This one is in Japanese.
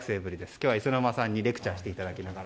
今日は磯沼さんにレクチャーしてもらいながら。